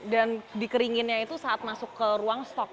dan dikeringinnya itu saat masuk ke ruang stok